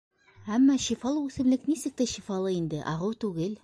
Әммә шифалы үҫемлек нисек тә шифалы инде, ағыу түгел.